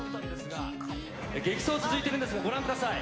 激走続いてるんですが、ご覧ください。